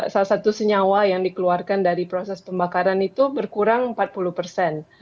salah satu senyawa yang dikeluarkan dari proses pembakaran itu berkurang empat puluh persen